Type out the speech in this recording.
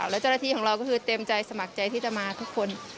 และจรภีของเราก็คือเต็มใจสมัครใจที่จะมาทุกคน